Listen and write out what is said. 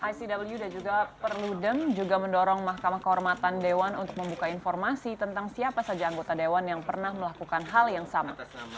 icw dan juga perludem juga mendorong mahkamah kehormatan dewan untuk membuka informasi tentang siapa saja anggota dewan yang pernah melakukan hal yang sama